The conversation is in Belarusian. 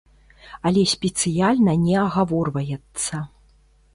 Але спецыяльна не агаворваецца.